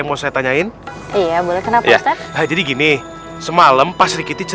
ustazah ini melihatnya